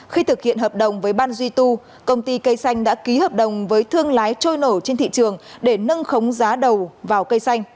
khi thực hiện hợp đồng với ban duy tu công ty cây xanh đã ký hợp đồng với thương lái trôi nổ trên thị trường để nâng khống giá đầu vào cây xanh